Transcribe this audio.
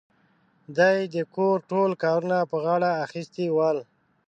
دې د کور ټول کارونه په غاړه اخيستي ول.